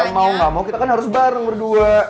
mau gak mau kita kan harus bareng berdua